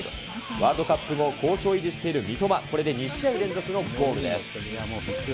ワールドカップ後、好調を維持している三笘、これで２試合連続のゴールです。